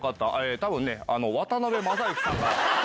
多分ね渡辺正行さんが。